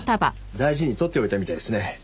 大事に取っておいたみたいですね。